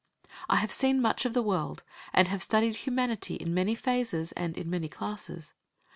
I have seen much of the world, and have studied humanity in many phases and in many classes.